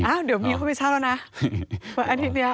อ้าวเดี๋ยวมีคนไปเช่าแล้วนะวันอาทิตย์เนี่ย